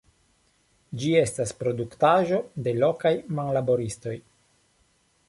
Ĝi estas produktaĵo de lokaj manlaboristoj.